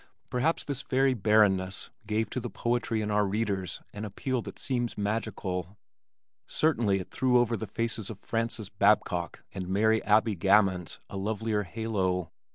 Perhaps this very barrenness gave to the poetry in our readers an appeal that seems magical, certainly it threw over the faces of Frances Babcock and Mary Abbie Gammons a lovelier halo.